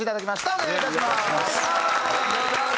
お願いいたします！